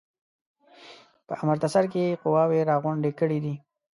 په امرتسر کې قواوي را غونډي کړي دي.